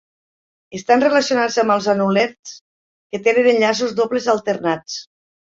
Estan relacionats amb els anulens que tenen enllaços dobles alternats.